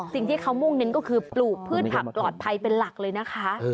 สิ่งที่เขามุ่งเน้นก็คือปลูกพืชผักปลอดภัยเป็นหลักเลยนะคะ